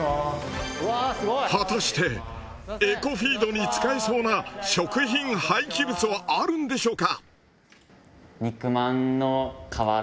果たしてエコフィードに使えそうな食品廃棄物はあるんでしょうか？